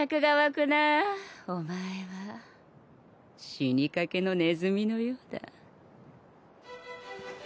死にかけのネズミのようだ。